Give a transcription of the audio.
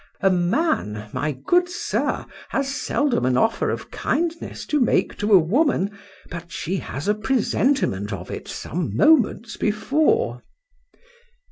—A man my good Sir, has seldom an offer of kindness to make to a woman, but she has a presentiment of it some moments before.